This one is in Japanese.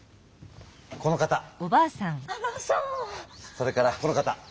それからこの方。